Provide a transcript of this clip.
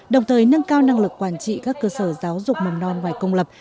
đồng thời nâng cao năng lực quản trị các cơ sở giáo dục mầm non ngoài công lập